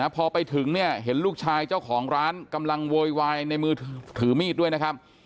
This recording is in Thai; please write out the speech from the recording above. พอไปถึงเนี่ยเห็นลูกชายเจ้าของร้านกำลังโวยวายในมือถือมีดด้วยนะครับ